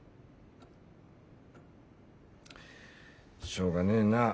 しょうがねえなあ。